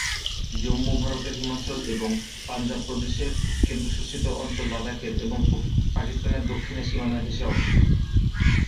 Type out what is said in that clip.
জম্মু ভারতের হিমাচল এবং পাঞ্জাব প্রদেশের, কেন্দ্রশাসিত অঞ্চল লাদাখের এবং পাকিস্তানের দক্ষিণে সীমানা ঘেঁষে অবস্থিত।